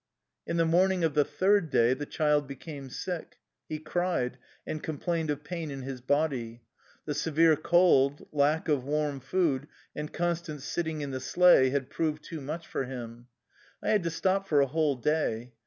In the morning of the third day the child be came sick. He cried, and complained of pain in his body. The severe cold, lack of warm food, and constant sitting in the sleigh had proved too much for him. I had to stop for a whole day.